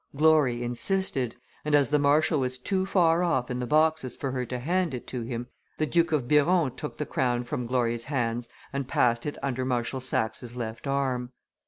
Glory insisted; and as the marshal was too far off in the boxes for her to hand it to him, the Duke of Biron took the crown from Glory's hands and passed it under Marshal Saxe's left arm.